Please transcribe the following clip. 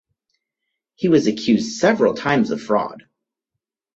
He was accused several times of fraud.